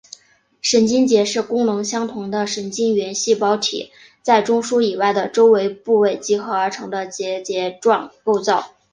神经节是功能相同的神经元细胞体在中枢以外的周围部位集合而成的结节状构造。